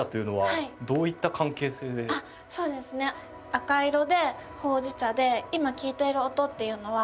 赤色でほうじ茶で今聴いている音っていうのは。